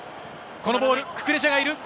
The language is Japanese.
このボール、ククレジャがいる。